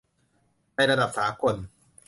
ในระดับสากล